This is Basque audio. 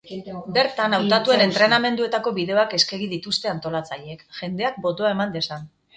Bertan, hautatuen entrenamenduetako bideoak eskegiko dituzte antolatzaileek, jendeak botoa eman dezan.